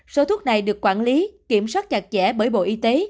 số thuốc này được quản lý kiểm soát chặt chẽ bởi bộ y tế